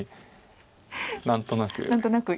何となく。